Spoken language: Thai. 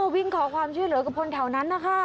วิ่งขอความช่วยเหลือกับคนแถวนั้นนะคะ